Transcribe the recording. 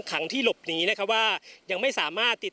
พร้อมด้วยผลตำรวจเอกนรัฐสวิตนันอธิบดีกรมราชทัน